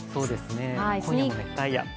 今夜も熱帯夜。